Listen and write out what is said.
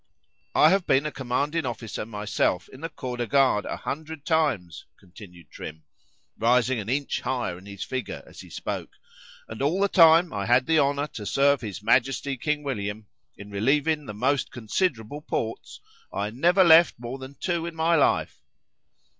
—I have been a commanding officer myself in the Corps de Garde a hundred times, continued Trim, rising an inch higher in his figure, as he spoke,—and all the time I had the honour to serve his Majesty King William, in relieving the most considerable posts, I never left more than two in my life.